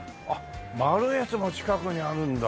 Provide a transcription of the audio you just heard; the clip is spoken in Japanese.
マルエツも近くにあるんだ。